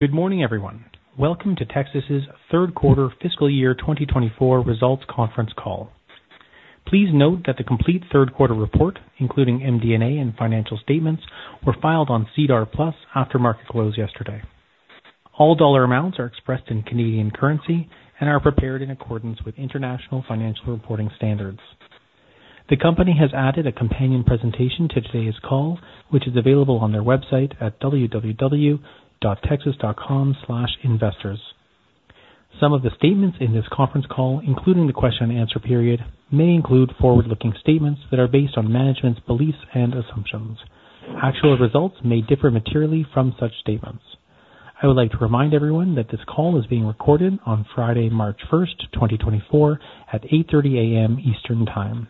Good morning, everyone. Welcome to Tecsys's third quarter fiscal year 2024 results conference call. Please note that the complete third quarter report, including MD&A and financial statements, were filed on SEDAR+ after market close yesterday. All dollar amounts are expressed in Canadian currency and are prepared in accordance with International Financial Reporting Standards. The company has added a companion presentation to today's call, which is available on their website at www.tecsys.com/investors. Some of the statements in this conference call, including the question-and-answer period, may include forward-looking statements that are based on management's beliefs and assumptions. Actual results may differ materially from such statements. I would like to remind everyone that this call is being recorded on Friday, March first, 2024, at 8:30 A.M. Eastern Time.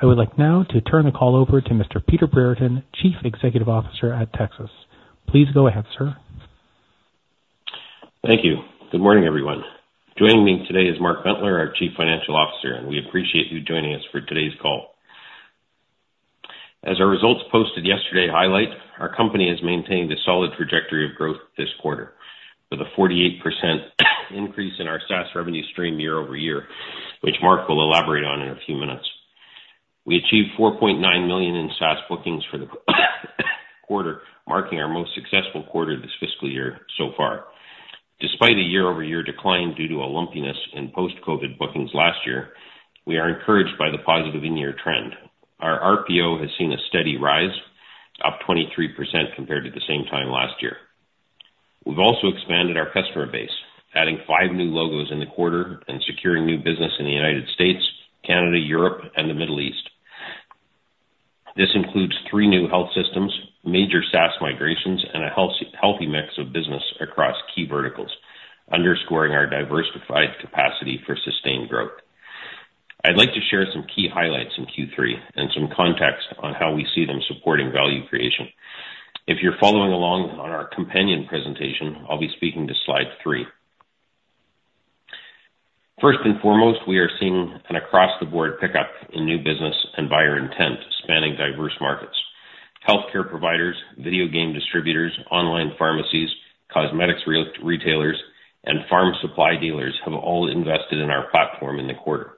I would like now to turn the call over to Mr. Peter Brereton, Chief Executive Officer at Tecsys. Please go ahead, sir. Thank you. Good morning, everyone. Joining me today is Mark Bentler, our Chief Financial Officer, and we appreciate you joining us for today's call. As our results posted yesterday highlight, our company has maintained a solid trajectory of growth this quarter with a 48% increase in our SaaS revenue stream year-over-year, which Mark will elaborate on in a few minutes. We achieved 4.9 million in SaaS bookings for the quarter, marking our most successful quarter this fiscal year so far. Despite a year-over-year decline due to a lumpiness in post-COVID bookings last year, we are encouraged by the positive in-year trend. Our RPO has seen a steady rise, up 23% compared to the same time last year. We've also expanded our customer base, adding five new logos in the quarter and securing new business in the United States, Canada, Europe, and the Middle East. This includes three new health systems, major SaaS migrations, and a healthy mix of business across key verticals, underscoring our diversified capacity for sustained growth. I'd like to share some key highlights in Q3 and some context on how we see them supporting value creation. If you're following along on our companion presentation, I'll be speaking to slide three. First and foremost, we are seeing an across-the-board pickup in new business and buyer intent, spanning diverse markets. Healthcare providers, video game distributors, online pharmacies, cosmetics retailers, and farm supply dealers have all invested in our platform in the quarter.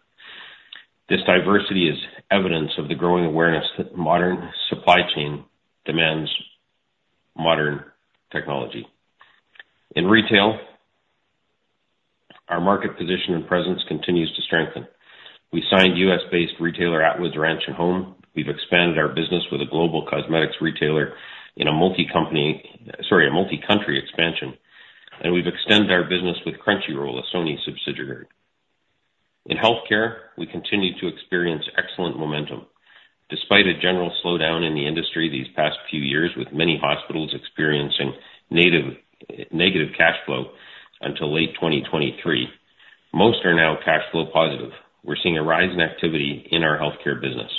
This diversity is evidence of the growing awareness that modern supply chain demands modern technology. In retail, our market position and presence continues to strengthen. We signed US-based retailer, Atwoods Ranch & Home. We've expanded our business with a global cosmetics retailer in a multi-company, sorry, a multi-country expansion, and we've extended our business with Crunchyroll, a Sony subsidiary. In healthcare, we continue to experience excellent momentum. Despite a general slowdown in the industry these past few years, with many hospitals experiencing negative cash flow until late 2023, most are now cash flow positive. We're seeing a rise in activity in our healthcare business.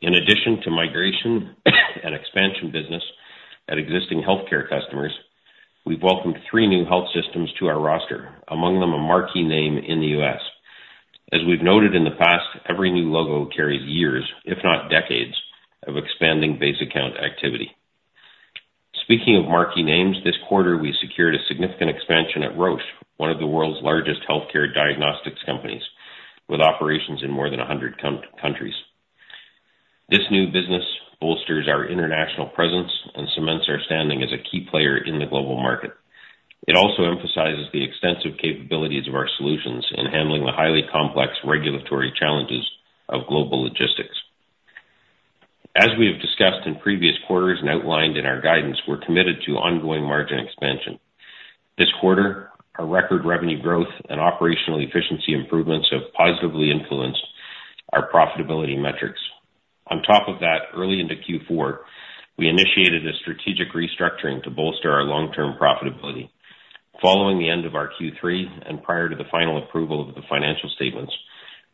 In addition to migration and expansion business at existing healthcare customers, we've welcomed three new health systems to our roster, among them, a marquee name in the US. As we've noted in the past, every new logo carries years, if not decades, of expanding base account activity. Speaking of marquee names, this quarter, we secured a significant expansion at Roche, one of the world's largest healthcare diagnostics companies, with operations in more than 100 countries. This new business bolsters our international presence and cements our standing as a key player in the global market. It also emphasizes the extensive capabilities of our solutions in handling the highly complex regulatory challenges of global logistics. As we have discussed in previous quarters and outlined in our guidance, we're committed to ongoing margin expansion. This quarter, our record revenue growth and operational efficiency improvements have positively influenced our profitability metrics. On top of that, early into Q4, we initiated a strategic restructuring to bolster our long-term profitability. Following the end of our Q3, and prior to the final approval of the financial statements,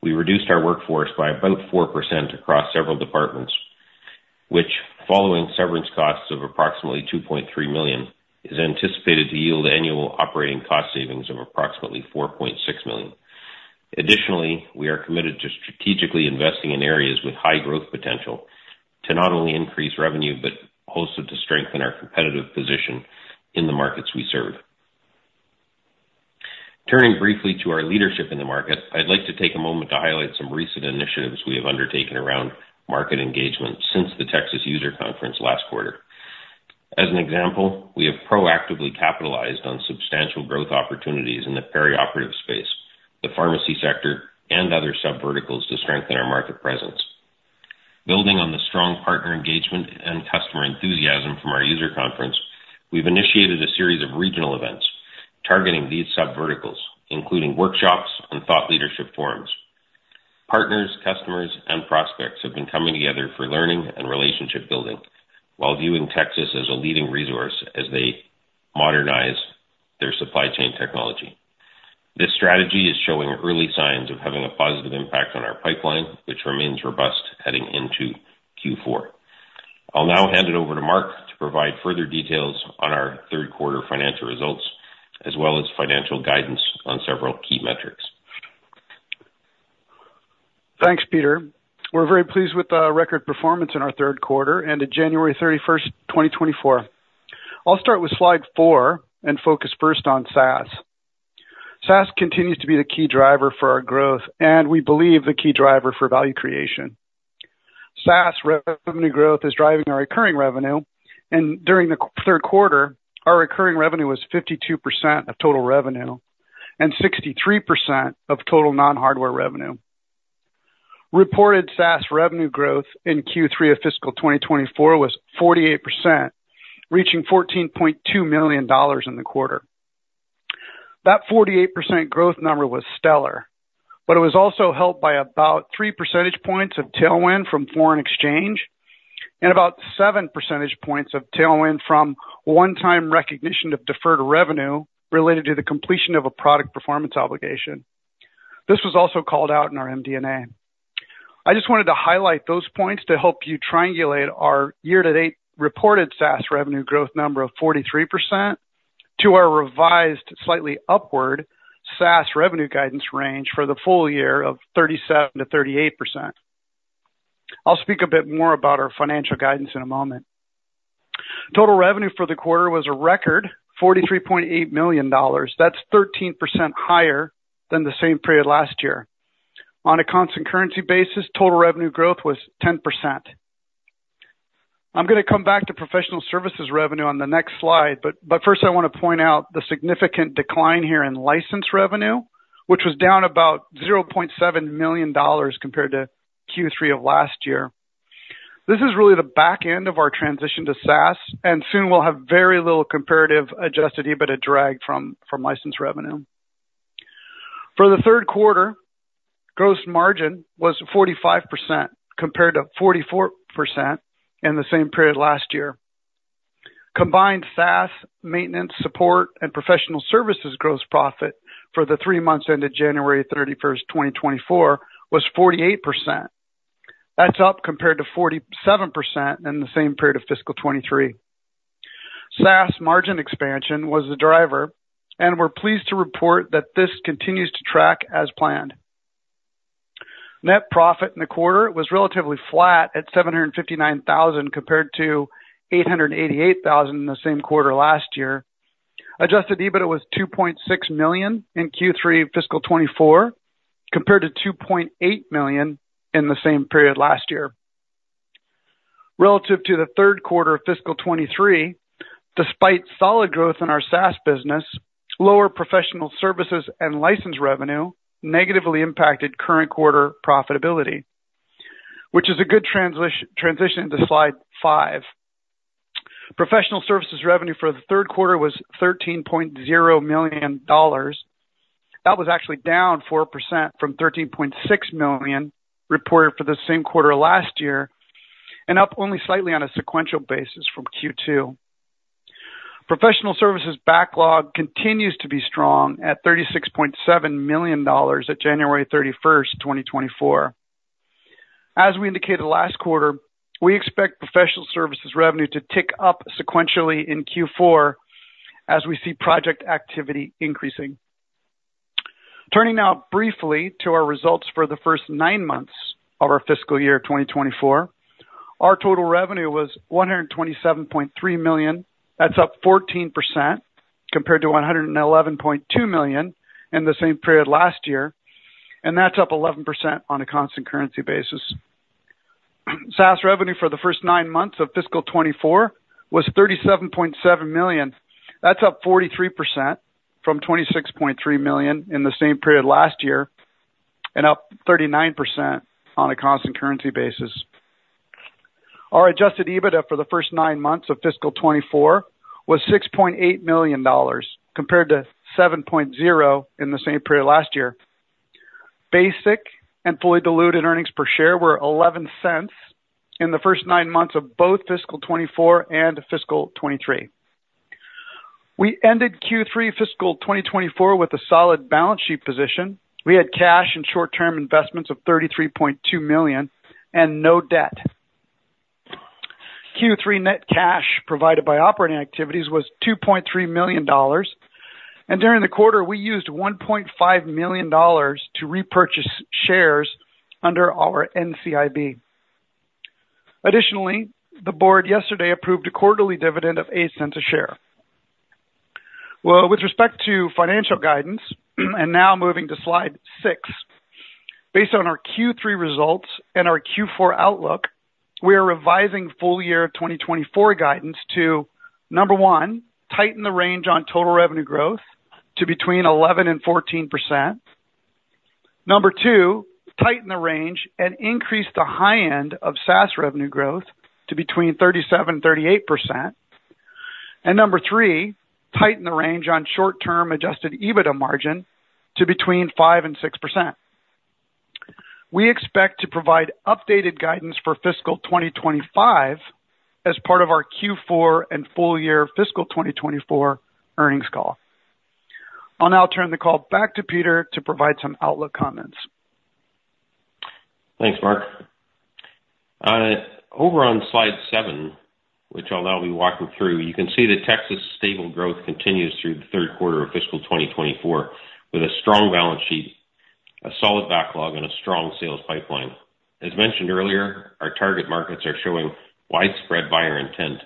we reduced our workforce by about 4% across several departments, which, following severance costs of approximately 2.3 million, is anticipated to yield annual operating cost savings of approximately 4.6 million. Additionally, we are committed to strategically investing in areas with high growth potential to not only increase revenue, but also to strengthen our competitive position in the markets we serve. Turning briefly to our leadership in the market, I'd like to take a moment to highlight some recent initiatives we have undertaken around market engagement since the Tecsys User Conference last quarter. As an example, we have proactively capitalized on substantial growth opportunities in the perioperative space, the pharmacy sector, and other sub-verticals to strengthen our market presence. Building on the strong partner engagement and customer enthusiasm from our user conference, we've initiated a series of regional events targeting these sub-verticals, including workshops and thought leadership forums. Partners, customers, and prospects have been coming together for learning and relationship building while viewing Tecsys as a leading resource as they modernize their supply chain technology. This strategy is showing early signs of having a positive impact on our pipeline, which remains robust heading into Q4. I'll now hand it over to Mark to provide further details on our third quarter financial results, as well as financial guidance on several key metrics. Thanks, Peter. We're very pleased with the record performance in our third quarter and at January 31, 2024. I'll start with slide four and focus first on SaaS. SaaS continues to be the key driver for our growth and we believe the key driver for value creation. SaaS revenue growth is driving our recurring revenue, and during the third quarter, our recurring revenue was 52% of total revenue and 63% of total non-hardware revenue. Reported SaaS revenue growth in Q3 of fiscal 2024 was 48%, reaching 14.2 million dollars in the quarter. That 48% growth number was stellar, but it was also helped by about three percentage points of tailwind from foreign exchange and about seven percentage points of tailwind from one-time recognition of deferred revenue related to the completion of a product performance obligation. This was also called out in our MD&A. I just wanted to highlight those points to help you triangulate our year-to-date reported SaaS revenue growth number of 43% to our revised, slightly upward, SaaS revenue guidance range for the full year of 37%-38%. I'll speak a bit more about our financial guidance in a moment. Total revenue for the quarter was a record 43.8 million dollars. That's 13% higher than the same period last year. On a constant currency basis, total revenue growth was 10%. I'm gonna come back to professional services revenue on the next slide, but first I want to point out the significant decline here in license revenue, which was down about 0.7 million dollars compared to Q3 of last year. This is really the back end of our transition to SaaS, and soon we'll have very little comparative adjusted EBITDA drag from license revenue. For the third quarter, gross margin was 45%, compared to 44% in the same period last year. Combined SaaS, maintenance, support, and professional services gross profit for the three months ended January 31, 2024, was 48%. That's up compared to 47% in the same period of fiscal 2023. SaaS margin expansion was the driver, and we're pleased to report that this continues to track as planned. Net profit in the quarter was relatively flat at 759,000, compared to 888,000 in the same quarter last year. Adjusted EBITDA was 2.6 million in Q3 fiscal 2024, compared to 2.8 million in the same period last year. Relative to the third quarter of fiscal 2023, despite solid growth in our SaaS business, lower professional services and license revenue negatively impacted current quarter profitability, which is a good transition into slide five. Professional services revenue for the third quarter was 13.0 million dollars. That was actually down 4% from 13.6 million reported for the same quarter last year, and up only slightly on a sequential basis from Q2. Professional services backlog continues to be strong at 36.7 million dollars at January 31, 2024. As we indicated last quarter, we expect professional services revenue to tick up sequentially in Q4 as we see project activity increasing. Turning now briefly to our results for the first nine months of our fiscal year of 2024, our total revenue was 127.3 million. That's up 14% compared to 111.2 million in the same period last year, and that's up 11% on a constant currency basis. SaaS revenue for the first nine months of fiscal 2024 was 37.7 million. That's up 43% from 26.3 million in the same period last year, and up 39% on a constant currency basis. Our Adjusted EBITDA for the first nine months of fiscal 2024 was 6.8 million dollars, compared to 7.0 million in the same period last year. Basic and fully diluted earnings per share were 0.11 in the first nine months of both fiscal 2024 and fiscal 2023. We ended Q3 fiscal 2024 with a solid balance sheet position. We had cash and short-term investments of 33.2 million and no debt. Q3 net cash provided by operating activities was 2.3 million dollars, and during the quarter, we used 1.5 million dollars to repurchase shares under our NCIB. Additionally, the board yesterday approved a quarterly dividend of 0.08 a share. Well, with respect to financial guidance, and now moving to slide six. Based on our Q3 results and our Q4 outlook, we are revising full-year 2024 guidance to, number one, tighten the range on total revenue growth to between 11% and 14%. Number two, tighten the range and increase the high end of SaaS revenue growth to between 37% and 38%. And number three, tighten the range on short-term Adjusted EBITDA margin to between 5% and 6%. We expect to provide updated guidance for fiscal 2025 as part of our Q4 and full-year fiscal 2024 earnings call. I'll now turn the call back to Peter to provide some outlook comments. Thanks, Mark. Over on slide seven, which I'll now be walking through, you can see that Tecsys stable growth continues through the third quarter of fiscal 2024, with a strong balance sheet, a solid backlog and a strong sales pipeline. As mentioned earlier, our target markets are showing widespread buyer intent,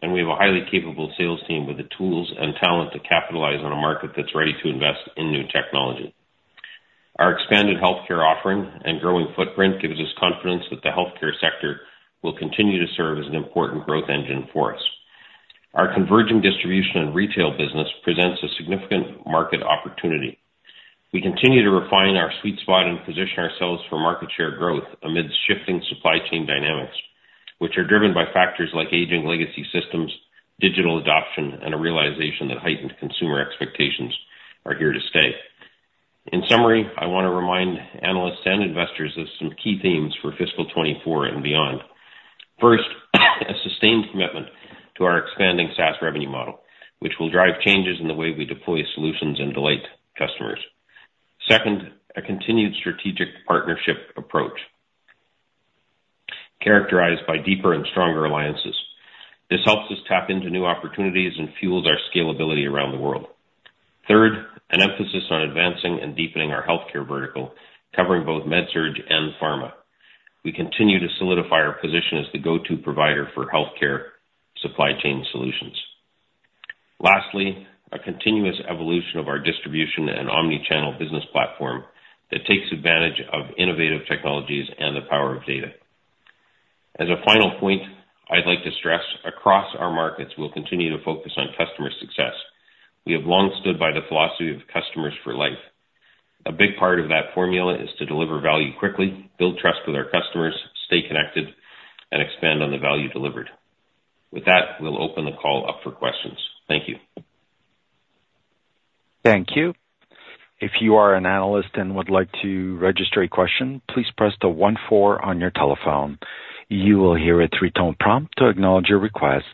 and we have a highly capable sales team with the tools and talent to capitalize on a market that's ready to invest in new technology. Our expanded healthcare offering and growing footprint gives us confidence that the healthcare sector will continue to serve as an important growth engine for us. Our converging distribution and retail business presents a significant market opportunity. We continue to refine our sweet spot and position ourselves for market share growth amidst shifting supply chain dynamics, which are driven by factors like aging legacy systems, digital adoption, and a realization that heightened consumer expectations are here to stay. In summary, I want to remind analysts and investors of some key themes for fiscal 2024 and beyond. First, a sustained commitment to our expanding SaaS revenue model, which will drive changes in the way we deploy solutions and delight customers. Second, a continued strategic partnership approach characterized by deeper and stronger alliances. This helps us tap into new opportunities and fuels our scalability around the world. Third, an emphasis on advancing and deepening our healthcare vertical, covering both med-surg and pharma. We continue to solidify our position as the go-to provider for healthcare supply chain solutions. Lastly, a continuous evolution of our distribution and omnichannel business platform that takes advantage of innovative technologies and the power of data. As a final point, I'd like to stress, across our markets, we'll continue to focus on customer success. We have long stood by the philosophy of Customers for Life. A big part of that formula is to deliver value quickly, build trust with our customers, stay connected, and expand on the value delivered. With that, we'll open the call up for questions. Thank you. Thank you. If you are an analyst and would like to register a question, please press the one four on your telephone. You will hear a three-tone prompt to acknowledge your request.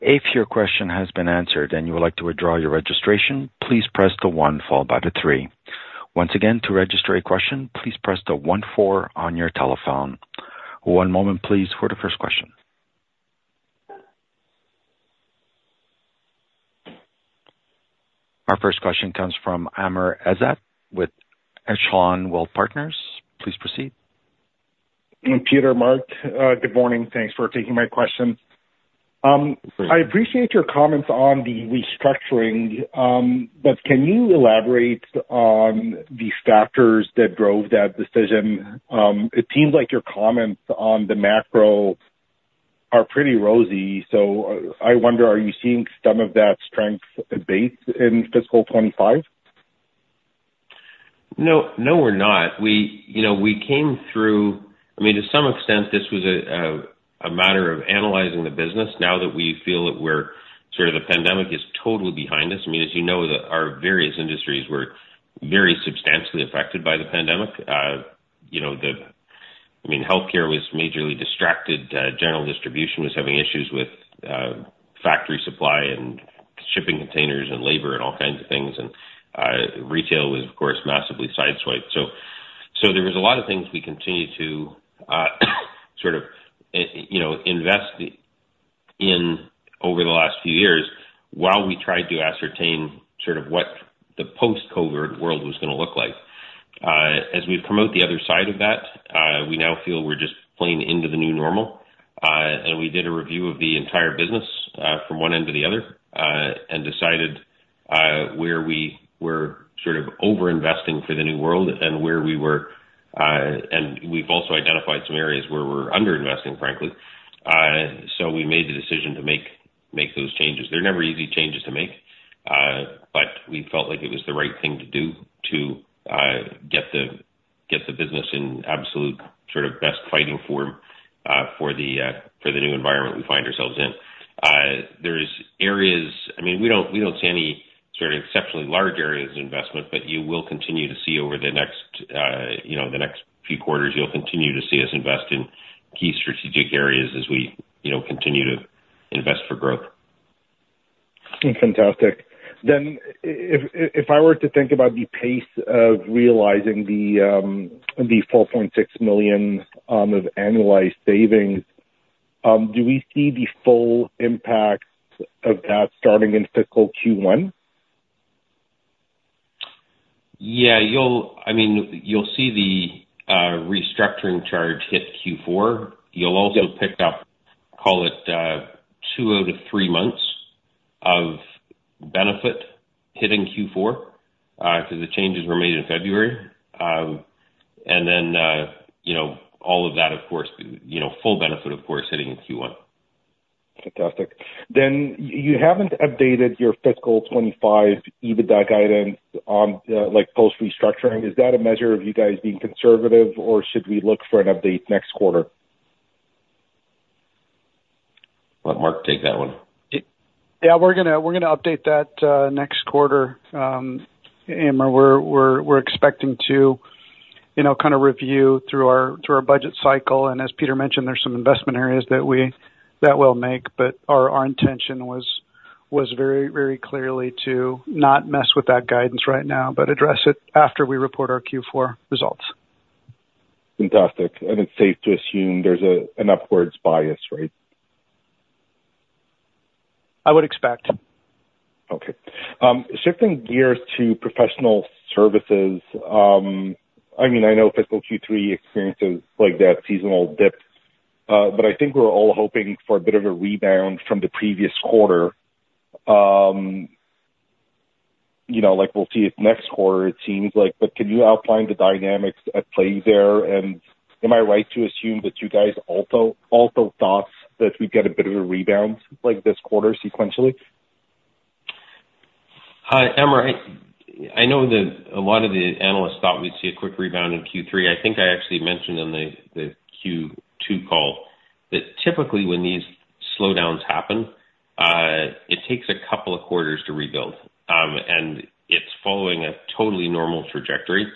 If your question has been answered and you would like to withdraw your registration, please press the one followed by the three. Once again, to register a question, please press the one four on your telephone. One moment, please, for the first question. Our first question comes from Amr Ezzat with Echelon Capital Markets. Please proceed. Peter, Mark, good morning. Thanks for taking my question. I appreciate your comments on the restructuring, but can you elaborate on the factors that drove that decision? It seems like your comments on the macro are pretty rosy, so I wonder, are you seeing some of that strength abate in fiscal 25? No, no, we're not. We, you know, we came through. I mean, to some extent, this was a matter of analyzing the business. Now that we feel that we're sort of the pandemic is totally behind us. I mean, as you know, that our various industries were very substantially affected by the pandemic. You know, I mean, healthcare was majorly distracted. General distribution was having issues with factory supply and shipping containers and labor and all kinds of things. And retail was, of course, massively sideswiped. So there was a lot of things we continued to sort of, you know, invest in over the last few years while we tried to ascertain sort of what the post-COVID world was gonna look like. As we promote the other side of that, we now feel we're just playing into the new normal. And we did a review of the entire business, from one end to the other, and decided where we were sort of over-investing for the new world and where we were, and we've also identified some areas where we're under-investing, frankly. So we made the decision to make, make those changes. They're never easy changes to make, but we felt like it was the right thing to do to get the, get the business in absolute sort of best fighting form, for the new environment we find ourselves in. There's areas I mean, we don't, we don't see any sort of exceptionally large areas of investment, but you will continue to see over the next, you know, the next few quarters, you'll continue to see us invest in key strategic areas as we, you know, continue to invest for growth. Fantastic. Then if I were to think about the pace of realizing the 4.6 million of annualized savings, do we see the full impact of that starting in fiscal Q1? Yeah, you'll. I mean, you'll see the restructuring charge hit Q4. Yep. You'll also pick up, call it, two out of three months of benefit hitting Q4, because the changes were made in February. And then, you know, all of that, of course, you know, full benefit, of course, hitting in Q1. Fantastic. Then you haven't updated your fiscal 2025 EBITDA guidance on, like, post-restructuring. Is that a measure of you guys being conservative, or should we look for an update next quarter? Let Mark take that one. Yeah, we're gonna update that, Amr. We're expecting to, you know, kind of review through our budget cycle, and as Peter mentioned, there's some investment areas that we'll make, but our intention was very, very clearly to not mess with that guidance right now, but address it after we report our Q4 results. Fantastic. It's safe to assume there's an upwards bias, right? I would expect. Okay. Shifting gears to professional services, I mean, I know fiscal Q3 experiences like that seasonal dip, but I think we're all hoping for a bit of a rebound from the previous quarter. You know, like, we'll see if next quarter it seems like. But can you outline the dynamics at play there? And am I right to assume that you guys also, also thought that we'd get a bit of a rebound, like, this quarter sequentially? Hi, Amr, I know that a lot of the analysts thought we'd see a quick rebound in Q3. I think I actually mentioned on the Q2 call that typically when these slowdowns happen, it takes a couple of quarters to rebuild, and it's following a totally normal trajectory.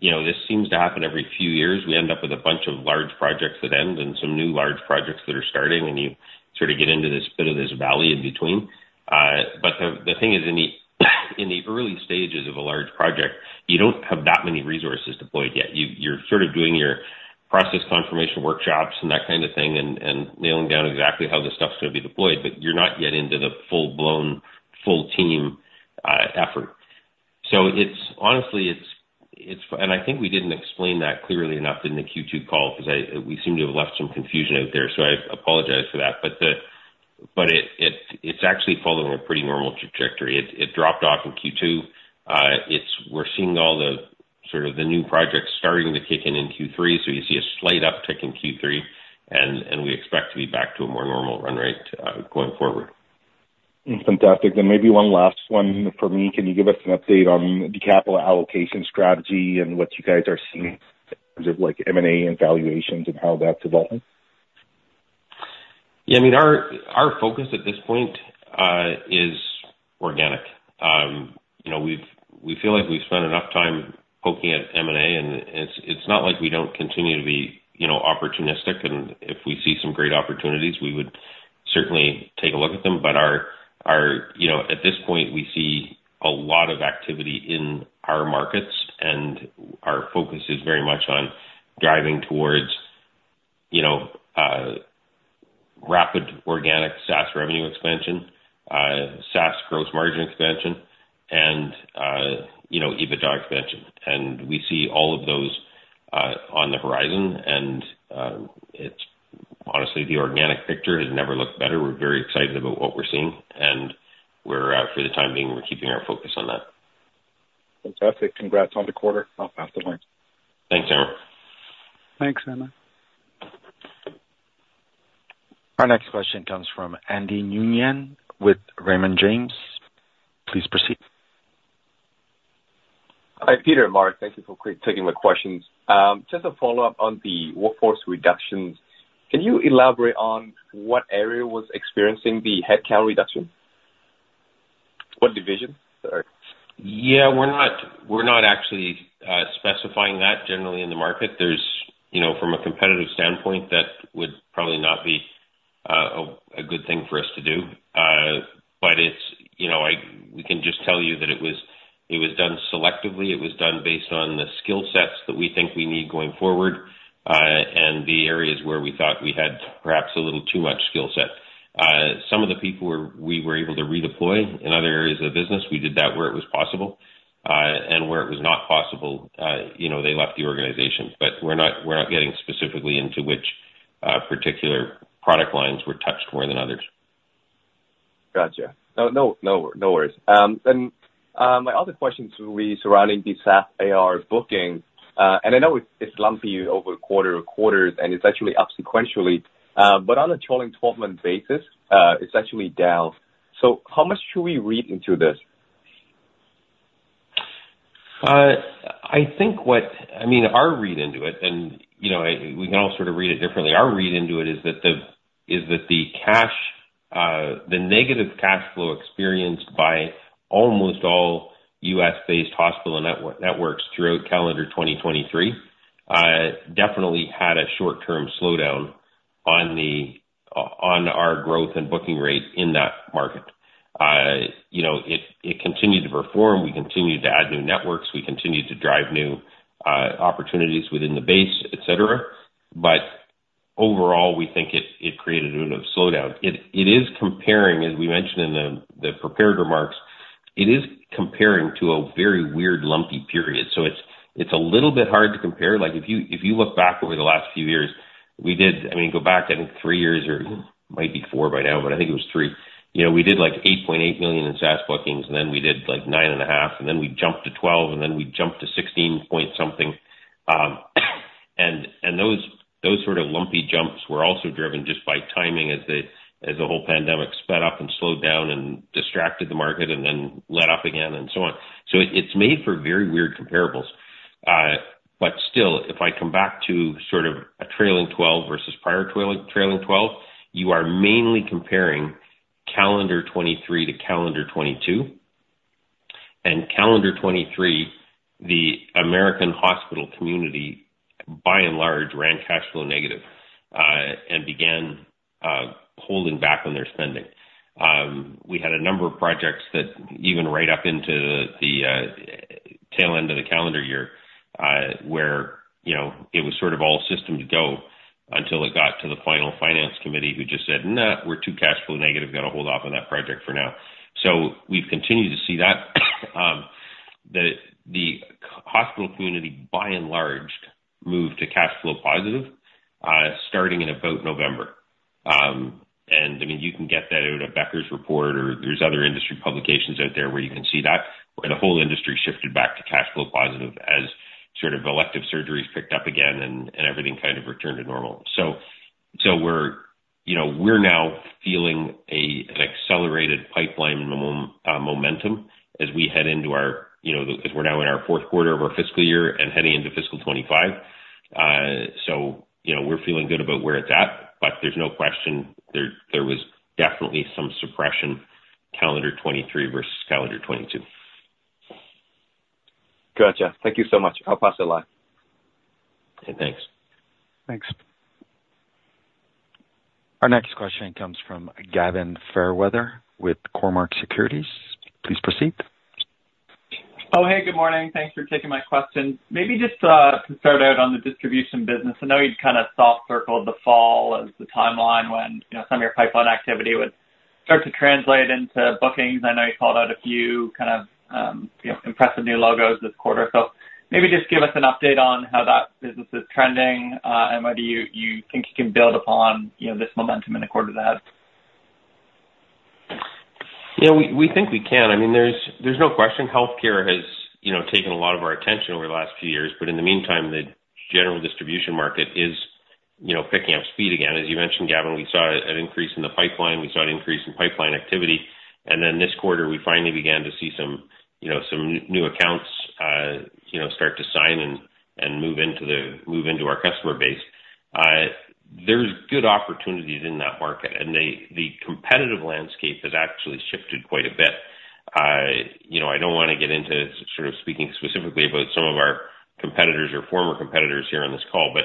You know, this seems to happen every few years. We end up with a bunch of large projects that end and some new large projects that are starting, and you sort of get into this bit of this valley in between. But the thing is, in the early stages of a large project, you don't have that many resources deployed yet. You, you're sort of doing your process confirmation workshops and that kind of thing, and, and nailing down exactly how this stuff's gonna be deployed, but you're not yet into the full-blown, full team, effort. So it's honestly. And I think we didn't explain that clearly enough in the Q2 call, 'cause we seem to have left some confusion out there, so I apologize for that. But it's actually following a pretty normal trajectory. It dropped off in Q2. We're seeing all the, sort of the new projects starting to kick in, in Q3, so you see a slight uptick in Q3, and we expect to be back to a more normal run rate, going forward. Fantastic. Maybe one last one from me. Can you give us an update on the capital allocation strategy and what you guys are seeing in terms of like M&A and valuations and how that's evolving? Yeah, I mean, our focus at this point is organic. You know, we've, we feel like we've spent enough time poking at M&A, and it's not like we don't continue to be, you know, opportunistic, and if we see some great opportunities, we would certainly take a look at them. But our, you know, at this point, we see a lot of activity in our markets, and our focus is very much on driving towards, you know, rapid organic SaaS revenue expansion, SaaS gross margin expansion, and, you know, EBITDA expansion. And we see all of those on the horizon, and it's honestly, the organic picture has never looked better. We're very excited about what we're seeing, and we're, for the time being, we're keeping our focus on that. Fantastic. Congrats on the quarter. I'll pass it on. Thanks, Amr. Thanks, Amr. Our next question comes from Andy Nguyen with Raymond James. Please proceed. Hi, Peter and Mark, thank you for taking the questions. Just a follow-up on the workforce reductions. Can you elaborate on what area was experiencing the headcount reduction? What division? Sorry. Yeah, we're not, we're not actually specifying that generally in the market. There's, you know, from a competitive standpoint, that would probably not be a good thing for us to do. But it's, you know, we can just tell you that it was, it was done selectively. It was done based on the skill sets that we think we need going forward, and the areas where we thought we had perhaps a little too much skill set. Some of the people we were able to redeploy in other areas of the business, we did that where it was possible. And where it was not possible, you know, they left the organization. But we're not, we're not getting specifically into which particular product lines were touched more than others. Gotcha. No, no, no worries. Then, my other question will be surrounding the SaaS ARR booking. And I know it's, it's lumpy over quarter or quarters, and it's actually up sequentially, but on a trailing twelve-month basis, it's actually down. So how much should we read into this? I think what—I mean, our read into it, and, you know, I, we can all sort of read it differently. Our read into it is that the, is that the cash, the negative cash flow experienced by almost all U.S.-based hospital networks throughout calendar 2023, definitely had a short-term slowdown on the, on our growth and booking rate in that market. You know, it, it continued to perform. We continued to add new networks. We continued to drive new, opportunities within the base, et cetera, but overall, we think it, it created a bit of slowdown. It, it is comparing, as we mentioned in the, the prepared remarks, it is comparing to a very weird, lumpy period, so it's, it's a little bit hard to compare. Like, if you, if you look back over the last few years, we did. I mean, go back, I think three years, or might be four by now, but I think it was three. You know, we did, like, 8.8 million in SaaS bookings, and then we did, like, 9.5 million, and then we jumped to 12 million, and then we jumped to CAD 16.something million. And those sort of lumpy jumps were also driven just by timing as the whole pandemic sped up and slowed down and distracted the market and then let up again and so on. So it's made for very weird comparables. But still, if I come back to sort of a trailing twelve versus prior trailing twelve, you are mainly comparing calendar 2023 to calendar 2022. Calendar 2023, the American hospital community, by and large, ran cash flow negative, and began holding back on their spending. We had a number of projects that even right up into the tail end of the calendar year, where, you know, it was sort of all systems go until it got to the final finance committee, who just said, "Nah, we're too cash flow negative. Gotta hold off on that project for now." So we've continued to see that. The hospital community, by and large, moved to cash flow positive, starting in about November. I mean, you can get that out of Becker's report or there's other industry publications out there where you can see that, where the whole industry shifted back to cash flow positive as sort of elective surgeries picked up again and everything kind of returned to normal. So we're, you know, we're now feeling an accelerated pipeline momentum as we head into our, you know, as we're now in our fourth quarter of our fiscal year and heading into fiscal 2025. So, you know, we're feeling good about where it's at, but there's no question there was definitely some suppression, calendar 2023 versus calendar 2022. Gotcha. Thank you so much. I'll pass it along. Okay, thanks. Thanks. Our next question comes from Gavin Fairweather with Cormark Securities. Please proceed. Oh, hey, good morning. Thanks for taking my question. Maybe just to start out on the distribution business. I know you've kind of soft circled the fall as the timeline when, you know, some of your pipeline activity would start to translate into bookings. I know you called out a few kind of, you know, impressive new logos this quarter. So maybe just give us an update on how that business is trending, and whether you think you can build upon, you know, this momentum in the quarter that. Yeah, we think we can. I mean, there's no question healthcare has, you know, taken a lot of our attention over the last few years. But in the meantime, the general distribution market is, you know, picking up speed again. As you mentioned, Gavin, we saw an increase in the pipeline. We saw an increase in pipeline activity, and then this quarter, we finally began to see some, you know, some new accounts start to sign and move into our customer base. There's good opportunities in that market, and the competitive landscape has actually shifted quite a bit. You know, I don't wanna get into sort of speaking specifically about some of our competitors or former competitors here on this call, but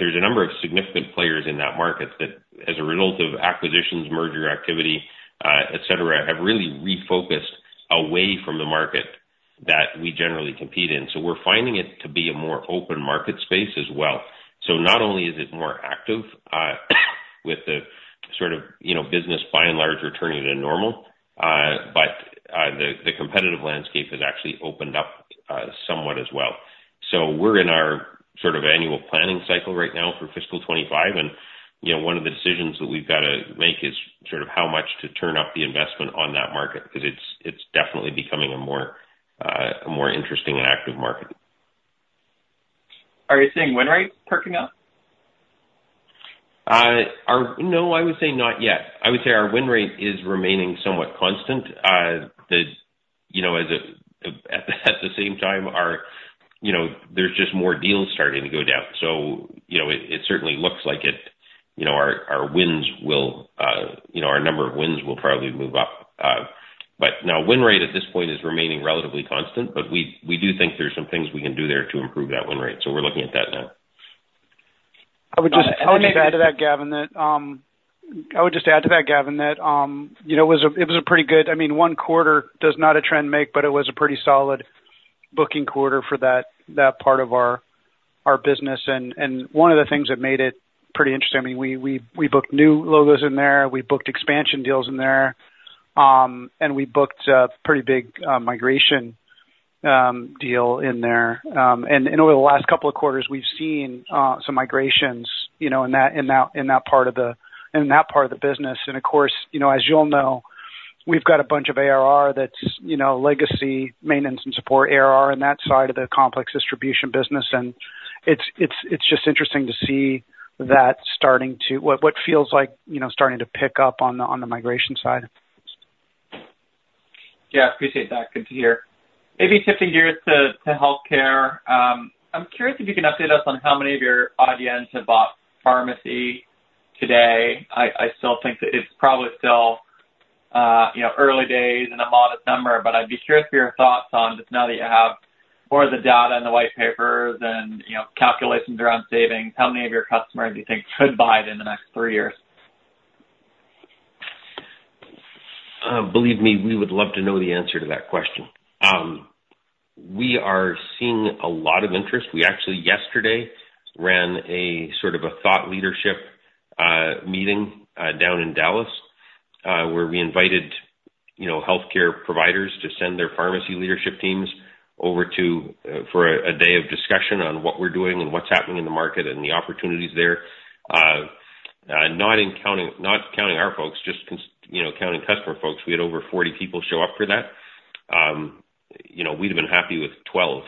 there's a number of significant players in that market that, as a result of acquisitions, merger activity, et cetera, have really refocused away from the market that we generally compete in. So we're finding it to be a more open market space as well. So not only is it more active, with the sort of, you know, business by and large returning to normal, but the competitive landscape has actually opened up somewhat as well. We're in our sort of annual planning cycle right now for fiscal 2025, and, you know, one of the decisions that we've got to make is sort of how much to turn up the investment on that market, because it's, it's definitely becoming a more, a more interesting and active market. Are you seeing win rates perking up? No, I would say not yet. I would say our win rate is remaining somewhat constant. You know, at the same time, you know, there's just more deals starting to go down. So, you know, it certainly looks like it, you know, our wins will, you know, our number of wins will probably move up, but win rate at this point is remaining relatively constant, but we do think there are some things we can do there to improve that win rate, so we're looking at that now. I would just And then I would just add to that, Gavin, that, you know, it was a pretty good—I mean, one quarter does not a trend make, but it was a pretty solid booking quarter for that part of our business. And one of the things that made it pretty interesting, I mean, we booked new logos in there, we booked expansion deals in there, and we booked a pretty big migration deal in there. And over the last couple of quarters, we've seen some migrations, you know, in that part of the business. Of course, you know, as you all know, we've got a bunch of ARR that's, you know, legacy maintenance and support ARR on that side of the complex distribution business, and it's just interesting to see that starting to. What feels like, you know, starting to pick up on the migration side. Yeah, appreciate that. Good to hear. Maybe shifting gears to healthcare. I'm curious if you can update us on how many of your audience have bought pharmacy today. I still think that it's probably still, you know, early days and a modest number, but I'd be curious for your thoughts on, just now that you have more of the data and the white papers and, you know, calculations around savings, how many of your customers do you think could buy it in the next three years? Believe me, we would love to know the answer to that question. We are seeing a lot of interest. We actually, yesterday, ran a sort of a thought leadership meeting down in Dallas, where we invited, you know, healthcare providers to send their pharmacy leadership teams over to for a day of discussion on what we're doing and what's happening in the market and the opportunities there. Not counting our folks, just counting customer folks, we had over 40 people show up for that. You know, we'd have been happy with 12.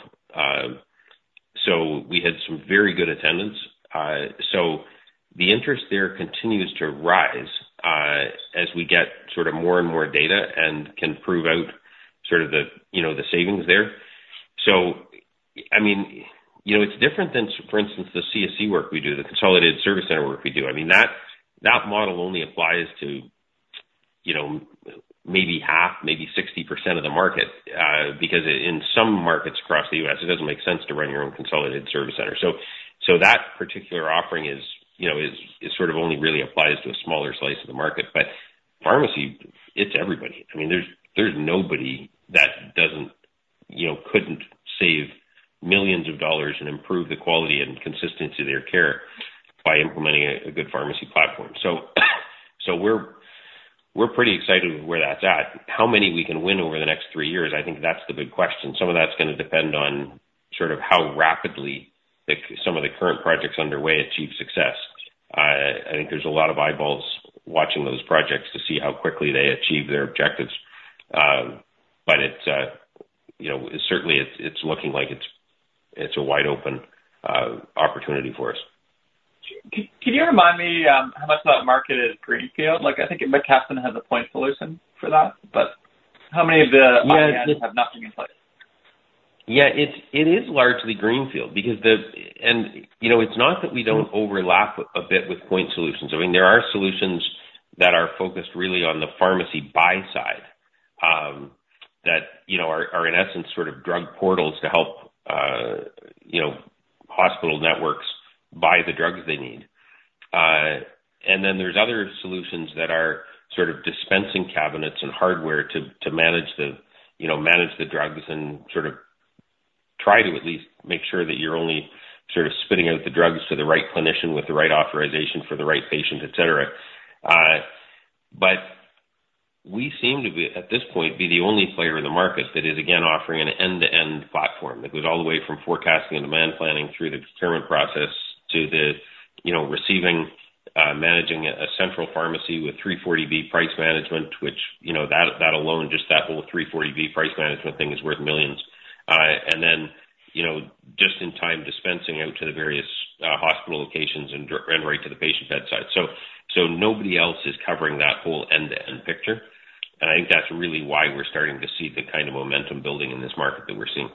So we had some very good attendance. So the interest there continues to rise, as we get sort of more and more data and can prove out sort of the, you know, the savings there. So. I mean, you know, it's different than, for instance, the CSC work we do, the consolidated service center work we do. I mean, that, that model only applies to, you know, maybe half, maybe 60% of the market, because in some markets across the U.S., it doesn't make sense to run your own consolidated service center. So, so that particular offering is, you know, is, is sort of only really applies to a smaller slice of the market, but pharmacy, it's everybody. I mean, there's, there's nobody that doesn't, you know, couldn't save millions of dollars and improve the quality and consistency of their care by implementing a, a good pharmacy platform. So, so we're, we're pretty excited with where that's at. How many we can win over the next three years? I think that's the big question. Some of that's gonna depend on sort of how rapidly the, some of the current projects underway achieve success. I think there's a lot of eyeballs watching those projects to see how quickly they achieve their objectives. But it's, you know, certainly it's, it's looking like it's, it's a wide open, opportunity for us. Can you remind me, how much of that market is greenfield? Like, I think McKesson has a point solution for that, but how many of the- Yeah, it. Have nothing in place? Yeah, it is largely greenfield because the. And, you know, it's not that we don't overlap a bit with point solutions. I mean, there are solutions that are focused really on the pharmacy buy side, that, you know, are in essence sort of drug portals to help, you know, hospital networks buy the drugs they need. And then there's other solutions that are sort of dispensing cabinets and hardware to manage the, you know, drugs and sort of try to at least make sure that you're only sort of spitting out the drugs to the right clinician with the right authorization for the right patient, et cetera. But we seem to be, at this point, be the only player in the market that is, again, offering an end-to-end platform that goes all the way from forecasting and demand planning through the procurement process to the, you know, receiving, managing a, a central pharmacy with 340B price management, which, you know, that, that alone, just that whole 340B price management thing is worth $ millions. And then, you know, just in time, dispensing out to the various, hospital locations and right to the patient bedside. So nobody else is covering that whole end-to-end picture, and I think that's really why we're starting to see the kind of momentum building in this market that we're seeing.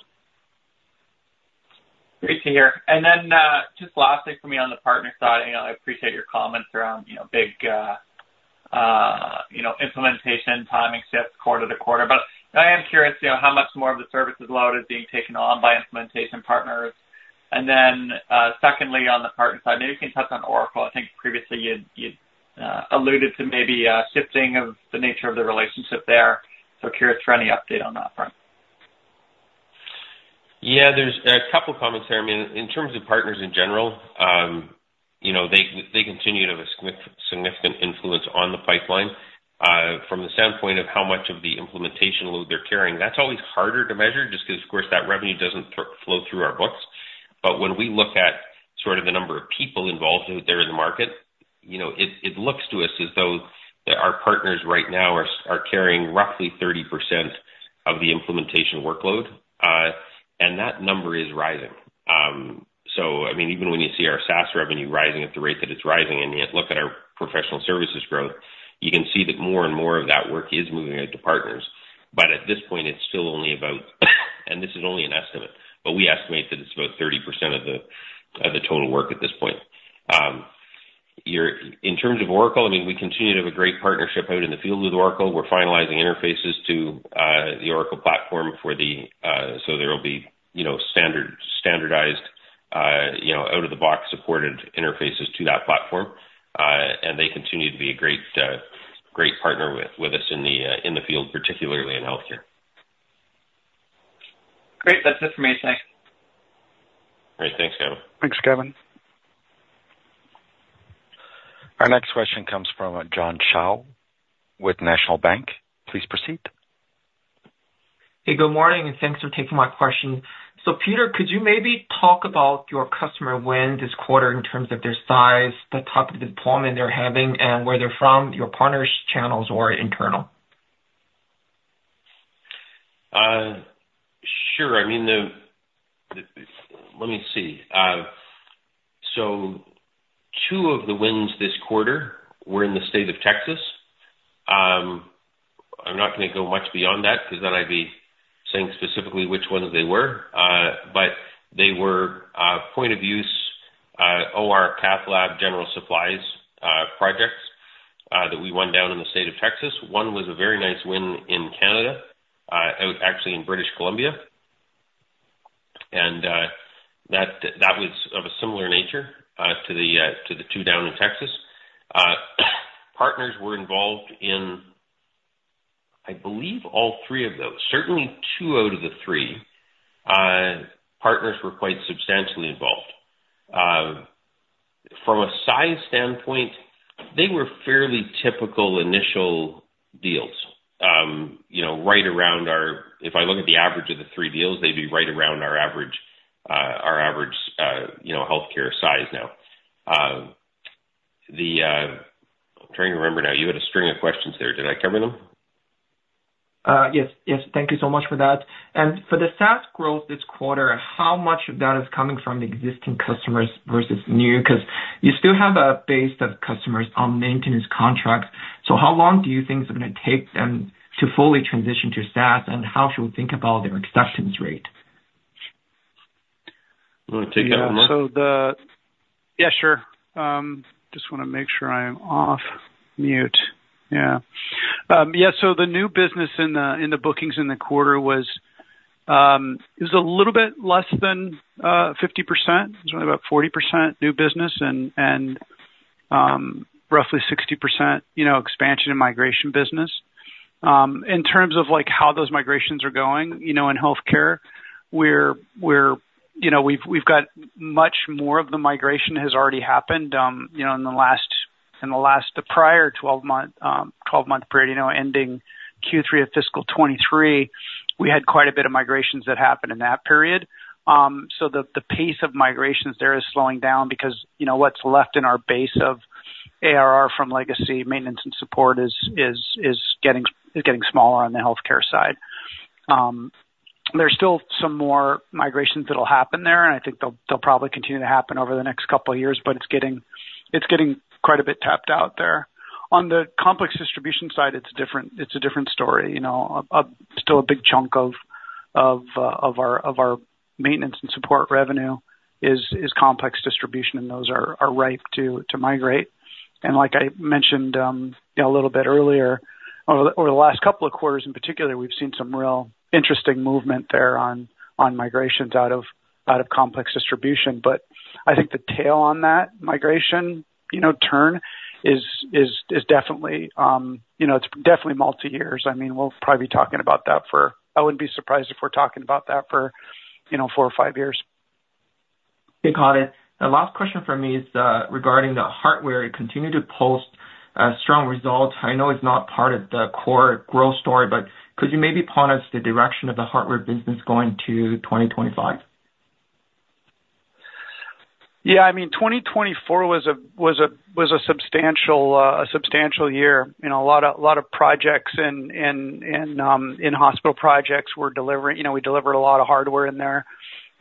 Great to hear. And then, just lastly for me on the partner side, you know, I appreciate your comments around, you know, big, you know, implementation timing shifts quarter to quarter. But I am curious, you know, how much more of the services load is being taken on by implementation partners? And then, secondly, on the partner side, maybe you can touch on Oracle. I think previously you alluded to maybe a shifting of the nature of the relationship there, so curious for any update on that front. Yeah, there's a couple comments here. I mean, in terms of partners in general, you know, they, they continue to have a significant influence on the pipeline. From the standpoint of how much of the implementation load they're carrying, that's always harder to measure, just because, of course, that revenue doesn't flow through our books. But when we look at sort of the number of people involved out there in the market, you know, it, it looks to us as though that our partners right now are carrying roughly 30% of the implementation workload, and that number is rising. So I mean, even when you see our SaaS revenue rising at the rate that it's rising, and you look at our professional services growth, you can see that more and more of that work is moving out to partners. But at this point, it's still only about, and this is only an estimate, but we estimate that it's about 30% of the total work at this point. In terms of Oracle, I mean, we continue to have a great partnership out in the field with Oracle. We're finalizing interfaces to the Oracle platform for the. So there will be, you know, standardized, you know, out-of-the-box supported interfaces to that platform. And they continue to be a great partner with us in the field, particularly in healthcare. Great. That's it for me. Thanks. Great. Thanks, Kevin. Thanks, Kevin. Our next question comes from John Shao with National Bank. Please proceed. Hey, good morning, and thanks for taking my question. So Peter, could you maybe talk about your customer win this quarter in terms of their size, the type of deployment they're having, and where they're from, your partners, channels, or internal? Sure. I mean, let me see. So two of the wins this quarter were in the state of Texas. I'm not gonna go much beyond that because then I'd be saying specifically which ones they were, but they were point-of-use, OR, Cath Lab, general supplies, projects that we won down in the state of Texas. One was a very nice win in Canada, out actually in British Columbia, and that was of a similar nature to the two down in Texas. Partners were involved in, I believe, all three of those, certainly two out of the three. Partners were quite substantially involved. From a size standpoint, they were fairly typical initial deals. You know, right around our. If I look at the average of the three deals, they'd be right around our average, our average, you know, healthcare size now. I'm trying to remember now. You had a string of questions there. Did I cover them? Yes. Yes, thank you so much for that. And for the SaaS growth this quarter, how much of that is coming from the existing customers versus new? Because you still have a base of customers on maintenance contracts, so how long do you think it's gonna take them to fully transition to SaaS, and how should we think about their acceptance rate? You want to take that one, Mark? Yeah, so yeah, sure. Just want to make sure I am off mute. Yeah. Yeah, so the new business in the bookings in the quarter was, it was a little bit less than 50%. It was only about 40% new business and roughly 60%, you know, expansion and migration business. In terms of, like, how those migrations are going, you know, in healthcare, we're, we've got much more of the migration has already happened. You know, in the last, the prior 12-month period, ending Q3 of fiscal 2023, we had quite a bit of migrations that happened in that period. So the pace of migrations there is slowing down because, you know, what's left in our base of ARR from legacy maintenance and support is getting smaller on the healthcare side. There's still some more migrations that'll happen there, and I think they'll probably continue to happen over the next couple of years, but it's getting quite a bit tapped out there. On the complex distribution side, it's different, it's a different story. You know, still a big chunk of our maintenance and support revenue is complex distribution, and those are ripe to migrate. And like I mentioned, you know, a little bit earlier, over the last couple of quarters in particular, we've seen some real interesting movement there on migrations out of complex distribution. But I think the tail on that migration, you know, turn is definitely, you know, it's definitely multi years. I mean, we'll probably be talking about that for—I wouldn't be surprised if we're talking about that for, you know, four or five years. Hey, got it. The last question for me is regarding the hardware. You continue to post strong results. I know it's not part of the core growth story, but could you maybe point us the direction of the hardware business going to 2025? Yeah, I mean, 2024 was a substantial year. You know, a lot of projects and in-hospital projects were delivering. You know, we delivered a lot of hardware in there,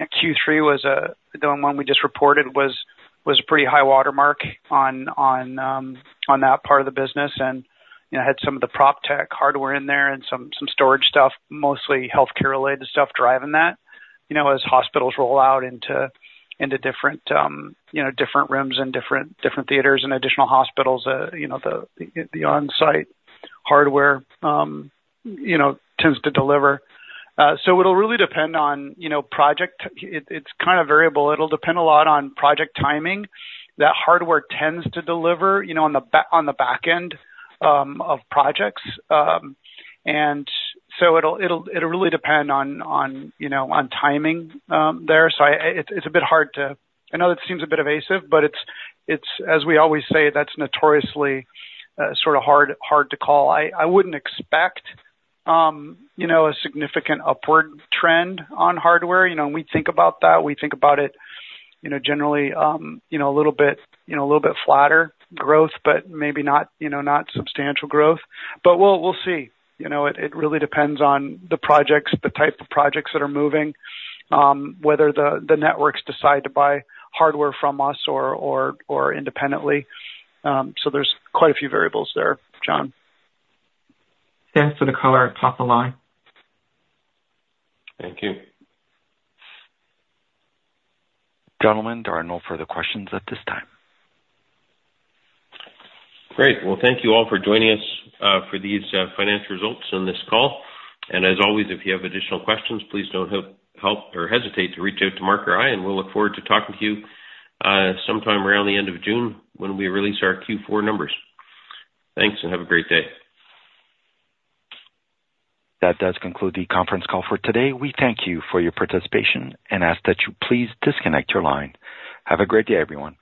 and Q3 was the one we just reported was a pretty high water mark on that part of the business. And, you know, had some of the prop tech hardware in there and some storage stuff, mostly healthcare-related stuff, driving that. You know, as hospitals roll out into different, you know, different rooms and different theaters and additional hospitals, you know, the on-site hardware tends to deliver. So it'll really depend on, you know, project. It's kind of variable. It'll depend a lot on project timing. That hardware tends to deliver, you know, on the back, on the back end, of projects. And so it'll really depend on, you know, on timing, there. So it's a bit hard to. I know it seems a bit evasive, but it's as we always say, that's notoriously sort of hard to call. I wouldn't expect, you know, a significant upward trend on hardware. You know, when we think about that, we think about it, you know, generally, you know, a little bit, you know, a little bit flatter growth, but maybe not, you know, not substantial growth. But we'll see. You know, it really depends on the projects, the type of projects that are moving, whether the networks decide to buy hardware from us or independently. So, there's quite a few variables there, John. Thanks for the color. Top of the line. Thank you. Gentlemen, there are no further questions at this time. Great. Well, thank you all for joining us for these financial results on this call. And as always, if you have additional questions, please don't hesitate to reach out to Mark or I, and we'll look forward to talking to you sometime around the end of June when we release our Q4 numbers. Thanks, and have a great day. That does conclude the conference call for today. We thank you for your participation and ask that you please disconnect your line. Have a great day, everyone.